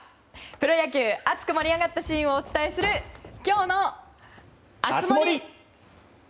プロ野球、熱く盛り上がったシーンをお伝えする今日の熱盛！